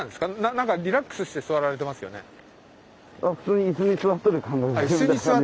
何かリラックスして座られてますよね？